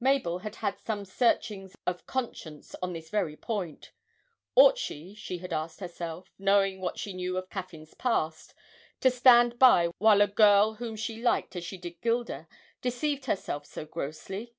Mabel had had some searchings of conscience on this very point. Ought she, she had asked herself, knowing what she knew of Caffyn's past, to stand by while a girl whom she liked as she did Gilda deceived herself so grossly?